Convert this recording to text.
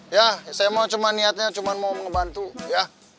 ya saya mau cuma niatnya cuma mau ngebantu ya